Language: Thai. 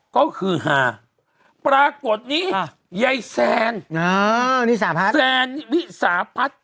ก็คือฮาปรากฏนี้ใยแซนแซนวิสาพัฒน์